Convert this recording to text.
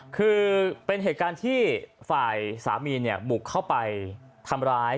คือเป็นเหตุการณ์ที่ฝ่ายสามีบุกเข้าไปทำร้าย